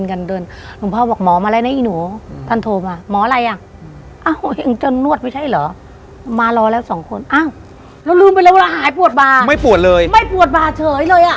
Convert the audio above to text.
อ้าวไม่ปวดเลยไม่ปวดบ่าเฉยเลยอะ